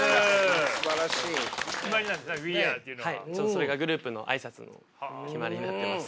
それがグループの挨拶の決まりになってます。